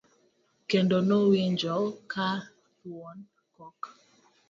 kendo nowinjo ka thuon kok